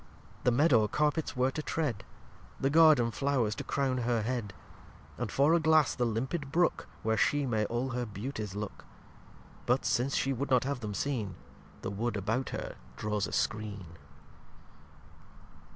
The Meadow Carpets where to tread; The Garden Flow'rs to Crown Her Head; And for a Glass the limpid Brook, Where She may all her Beautyes look; But, since She would not have them seen, The Wood about her draws a Skreen.